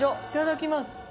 いただきます。